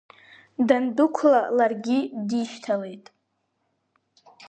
Дандәықәла, ларгьы дишьҭалеит.